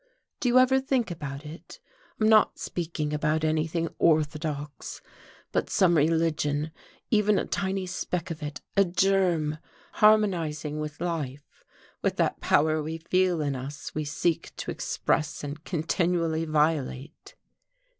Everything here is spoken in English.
Do you ever think about it? I'm not speaking about anything orthodox, but some religion even a tiny speck of it, a germ harmonizing with life, with that power we feel in us we seek to express and continually violate."